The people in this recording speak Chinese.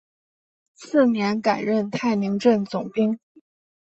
次年改任泰宁镇总兵。